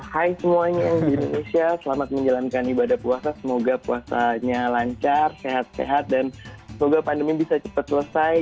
hai semuanya di indonesia selamat menjalankan ibadah puasa semoga puasanya lancar sehat sehat dan semoga pandemi bisa cepet selesai